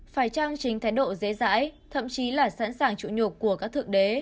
phải trang trình thái độ dễ dãi thậm chí là sẵn sàng trụ nhục của các thực đế